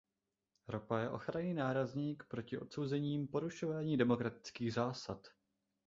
Ropa je ochranný nárazník proti odsouzením porušování demokratických zásad.